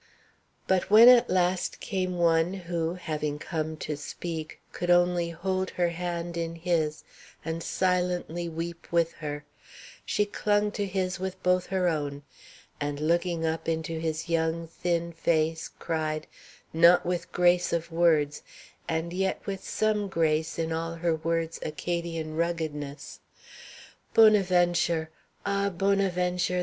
But when at last came one who, having come to speak, could only hold her hand in his and silently weep with her, she clung to his with both her own, and looking up into his young, thin face, cried, not with grace of words, and yet with some grace in all her words' Acadian ruggedness, "Bonaventure! Ah! Bonaventure!